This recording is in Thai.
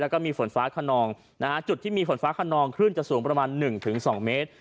แล้วก็มีฝนฟ้าขนองนะฮะจุดที่มีฝนฟ้าขนองคลื่นจะสูงประมาณ๑๒เมตร